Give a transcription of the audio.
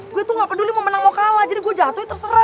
gue tuh gapeduli mau menang mau kalah jadi gue jatuh ya terserah